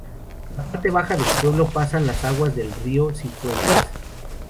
Por la parte baja del pueblo pasan las aguas del río Cifuentes.